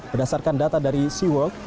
berdasarkan data dari seaworld